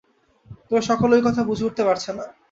তবে সকলে ঐ কথা বুঝে উঠতে পারছে না।